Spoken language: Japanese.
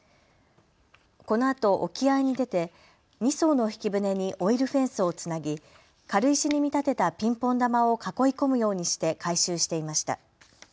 このあと沖合に出て２そうの引き船にオイルフェンスをつなぎ軽石に見立てたピンポン球を囲い込むようにして回収していました。